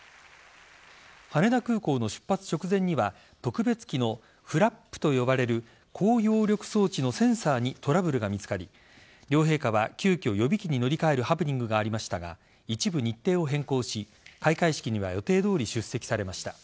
羽田空港の出発直前には特別機のフラップと呼ばれる高揚力装置のセンサーにトラブルが見つかり両陛下は急きょ予備機に乗り換えるハプニングがありましたが一部日程を変更し開会式には予定どおり出席されました。